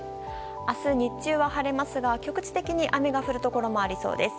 明日、日中は晴れますが局地的に雨が降るところもありそうです。